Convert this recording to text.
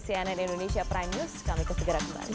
cnn indonesia prime news kami kesegera kembali